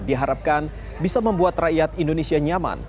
diharapkan bisa membuat rakyat indonesia nyaman